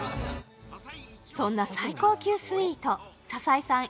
そんな最高級スイート篠井さん